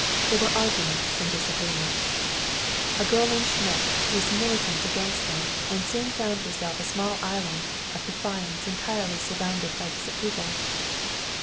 There were arguments and disagreements. A girl named Schmidt was militant against them and soon found herself a small island of defiance entirely surrounded by disapproval.